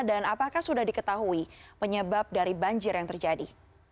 dan apakah sudah diketahui penyebab dari banjir yang terjadi